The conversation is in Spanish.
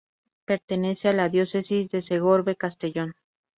Pertenece a la Diócesis de Segorbe Castellón.